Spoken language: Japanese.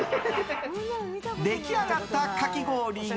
出来上がったかき氷が。